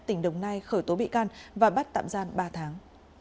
tỉnh đồng nai khởi tố bị can và bắt tạm gian ba tháng